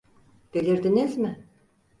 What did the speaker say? Delirdiniz mi?